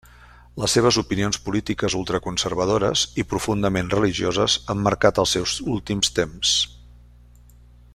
Les seves opinions polítiques ultra conservadores i profundament religioses han marcat els seus últims temps.